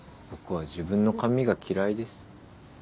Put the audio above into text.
僕は自分の髪が嫌いです。